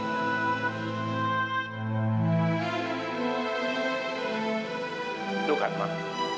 tuh kan mak